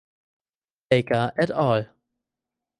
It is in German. Baker et al.